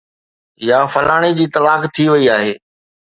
يا فلاڻي جي طلاق ٿي وئي آهي